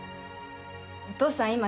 お父さん